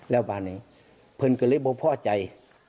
แล้วบานนี้เพลินกันเลยบ่อพ่อใจ